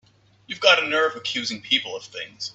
You've got a nerve accusing people of things!